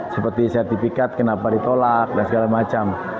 seperti sertifikat kenapa ditolak dan segala macam